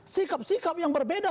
sikap sikap yang berbeda